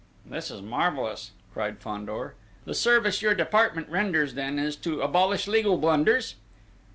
"This is marvellous!" cried Fandor. "The service your department renders then is to abolish legal blunders?"